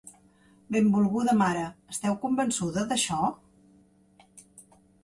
Benvolguda mare, esteu convençuda d'això?